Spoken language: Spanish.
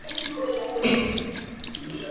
Capital del Municipio Monseñor Iturriza.